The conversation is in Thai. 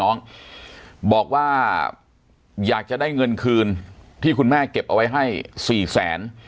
น้องบอกว่าอยากจะได้เงินคืนที่คุณแม่เก็บเอาไว้ให้สี่แสน